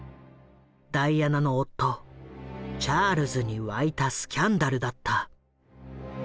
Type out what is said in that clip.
ダイアナの夫チャールズに湧いたスキャンダルだった。